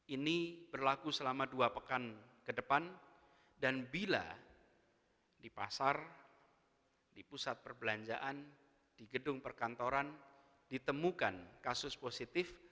ini berlaku selama dua pekan ke depan dan bila di pasar di pusat perbelanjaan di gedung perkantoran ditemukan kasus positif